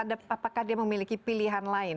apakah dia memiliki pilihan lain